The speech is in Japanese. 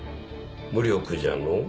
無力じゃのう。